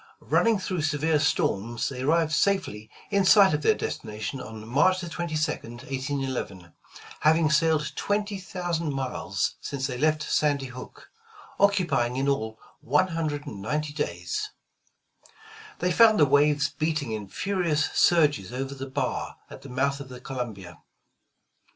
Running through severe storms, they arrived safely 161 The Original John Jacob Astor in sight of their destination on March 22nd, 1811, hav ing sailed twenty thousand miles since they left Sandy Hook, occupying in all one hundred and ninety days. They found the waves beating in furious surges over the bar at the mouth of the Columbia.